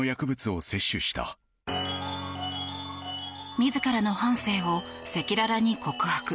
自らの半生を赤裸々に告白。